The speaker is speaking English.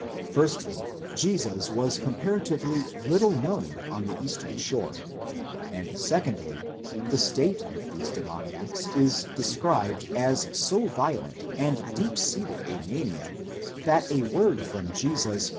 Firstly, Jesus was comparatively little known on the eastern shore ; and secondly, the state of these demoniacs is described as so violent and deep seated a mania, that a word from Jesus 48 Paulus, exeg.